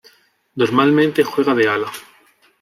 Normalmente juega de ala.